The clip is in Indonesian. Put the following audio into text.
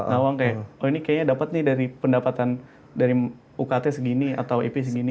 nawang kayak oh ini kayaknya dapat nih dari pendapatan dari ukt segini atau ep segini